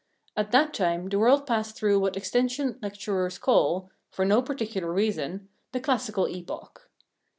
At that time the world passed through what extension lecturers call, for no particular reason, the classical epoch.